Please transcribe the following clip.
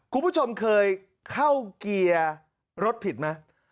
คุณผู้ชมเคยเข้าเกียร์รถผิดไหม